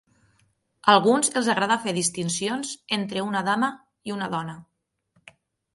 A alguns els agrada fer distincions entre una dama i una dona.